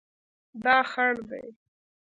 دا خړ دی